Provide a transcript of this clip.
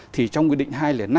thì trong quy định hai trăm linh năm